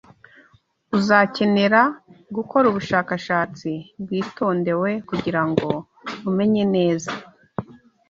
Uzakenera gukora ubushakashatsi bwitondewe kugirango umenye neza